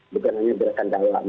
bukan hanya gerakan dalaman